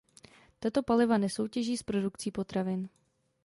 Tato paliva nesoutěží s produkcí potravin.